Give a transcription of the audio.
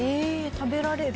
食べられる」